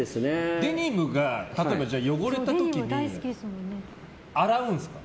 デニムが例えば汚れた時に洗うんですか？